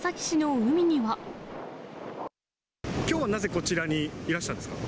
きょうはなぜこちらにいらしたんですか？